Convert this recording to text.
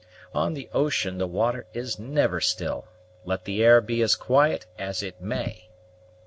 On the ocean the water is never still, let the air be as quiet as it may."